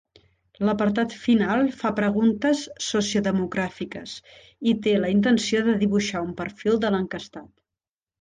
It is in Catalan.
L'apartat final fa preguntes sociodemogràfiques, i té la intenció de dibuixar un perfil de l'enquestat.